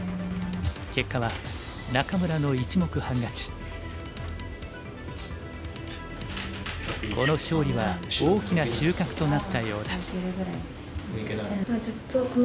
結果はこの勝利は大きな収穫となったようだ。